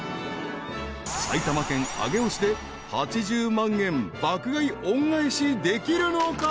［埼玉県上尾市で８０万円爆買い恩返しできるのか？］